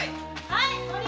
はい！